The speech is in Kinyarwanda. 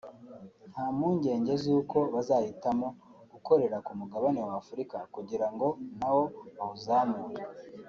nta mpungenge z’uko bazahitamo gukorera ku mugabane wa Afurika kugira ngo nawo bawuzamure